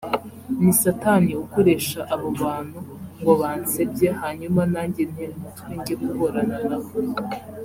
ni satani ukoresha abo bantu ngo bansebye hanyuma nanjye nte umutwe njye kuburana na bo